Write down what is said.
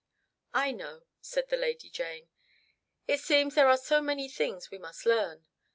"I know," said the Lady Jane. "It seems there are so many things we must learn.